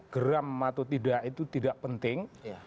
geram atau tidak itu tidak penting